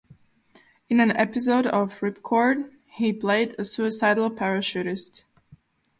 In an episode of "Ripcord" he played a suicidal parachutist.